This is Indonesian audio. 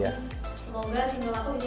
jadi semoga ke depannya